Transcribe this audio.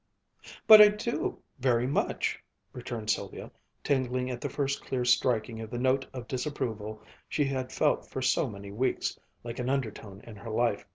"But I do, very much!" returned Sylvia, tingling at the first clear striking of the note of disapproval she had felt for so many weeks like an undertone in her life.